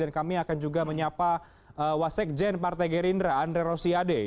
dan kami akan juga menyapa wasek jen partai gerindra andre rosiade